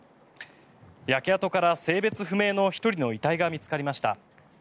焼け跡から性別不明の１人の遺体が見つかりました。